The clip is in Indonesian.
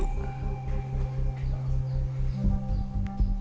tolong kasih dia pelajaran